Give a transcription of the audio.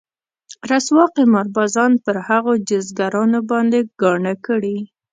رسوا قمار بازان پر هغو جيزګرانو باندې ګاڼه کړي.